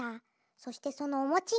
そしてそのおもちが」。